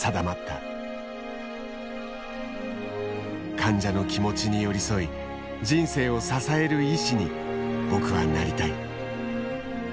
「患者の気持ちに寄り添い人生を支える医師に僕はなりたい」。